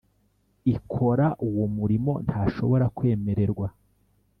Ikora uwo murimo ntashobora kwemererwa